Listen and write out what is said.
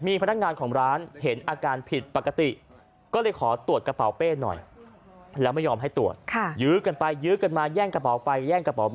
มีพนักงานของร้านเห็นอาการผิดปกติก็เลยขอตรวจกระเป๋าเป้หน่อย